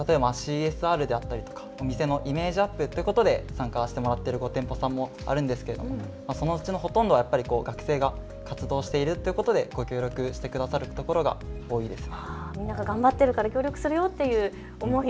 ＣＳＲであったりとかお店のイメージアップということで参加をしてもらっている店舗さんもあるんですけれどもそのうちのほとんどはやっぱり学生が活動しているということでご協力してくださったところが多いんです。